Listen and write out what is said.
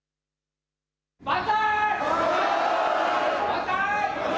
万歳。